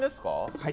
はい。